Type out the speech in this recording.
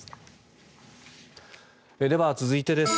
では続いてです。